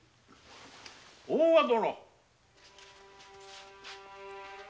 大賀殿。